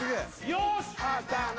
よし！